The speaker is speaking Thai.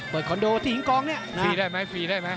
เปิดคอนโดที่หญิงกองนี่ฟรีได้มั้ยฟรีได้มั้ย